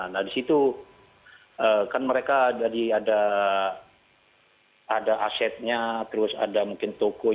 nah disitu kan mereka jadi ada asetnya terus ada mungkin toko